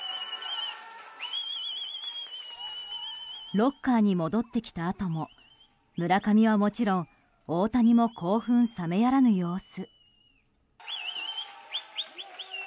ロッカーに戻ってきたあとも村上はもちろん大谷も興奮冷めやらぬ様子。